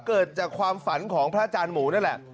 เกิดจากความฝันของพระอาจารย์หมูนั่นแหละ